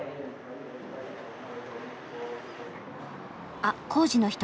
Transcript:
あっ工事の人。